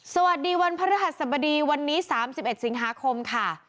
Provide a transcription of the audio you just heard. สวัสดีวันพระฤาษฎราบดีวันนี้สามสิบเอ็ดสิงหาคมค่ะ